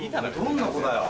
どんな子だよ？